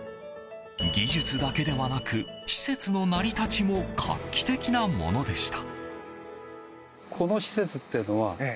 技術だけではなく施設の成り立ちも画期的なものでした。